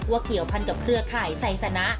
เกี่ยวพันกับเครือข่ายไซสนะ